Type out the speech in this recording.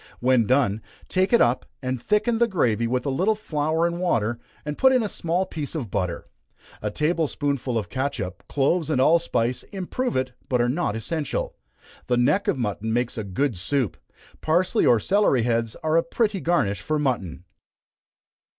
When done, take it up, and thicken the gravy with a little flour and water, and put in a small piece of butter. A table spoonful of catsup, cloves and allspice, improve it, but are not essential. The neck of mutton makes a good soup. Parsely or celery heads are a pretty garnish for mutton.